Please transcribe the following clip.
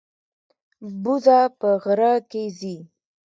بوزه په غره کې ځي.